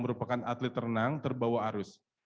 merupakan atlet renang terbawa arus